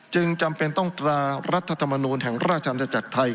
จำเป็นต้องตรารัฐธรรมนูลแห่งราชอาณาจักรไทย